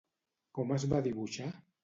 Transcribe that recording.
Com es va dibuixar?